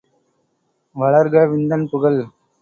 வளர்க விந்தன் புகழ்!!